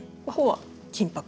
金箔？